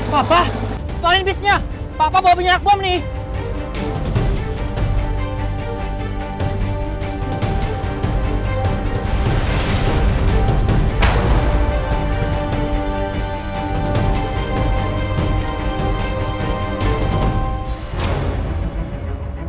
papa tepalin bisnya papa bawa banyak bom nih